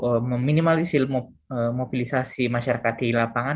untuk meminimalisir mobilisasi masyarakat di lapangan